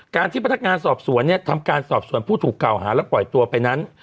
การที่พนักงานสอบสวนเนี่ยทำการสอบส่วนผู้ถูกกล่าวหาและปล่อยตัวไปนั้น